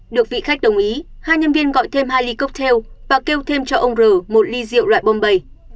được vị khách đồng ý hai nhân viên gọi thêm hai ly cocktail và kêu thêm cho ông r một ly rượu loại bombay